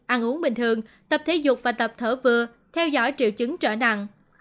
ăn uống bình thường tập thể dục và tập thở vừa theo dõi triệu chứng trở nặng